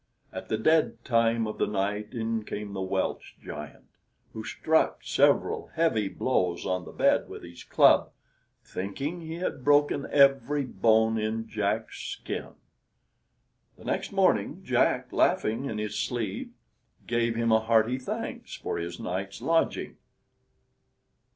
At the dead time of the night in came the Welsh giant, who struck several heavy blows on the bed with his club, thinking he had broken every bone in Jack's skin. The next morning Jack, laughing in his sleeve, gave him hearty thanks for his night's lodging.